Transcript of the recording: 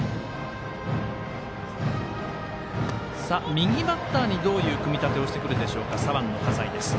右バッターにどういう組み立てをしてくるか左腕の葛西。